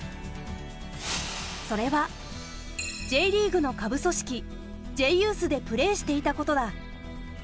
それはＪリーグの下部組織Ｊユースでプレーしていたことだ。